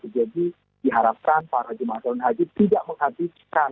jadi diharapkan para jemaah cumbang haji tidak menghabiskan